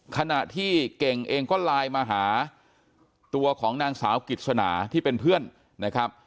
ขณะที่เก่งเองก็ไลน์มาหาตัวของนางสาวกฤษณาที่เป็นเพื่อนนะครับ